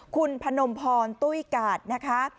คุณพนมพรตุ้ยกาดนะคะ